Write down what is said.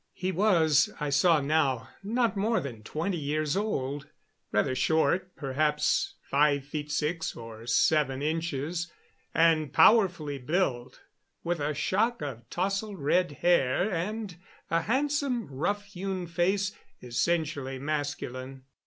He was, I saw now, not more than twenty years old, rather short perhaps five feet six or seven inches and powerfully built, with a shock of tousled red hair and a handsome, rough hewn face essentially masculine.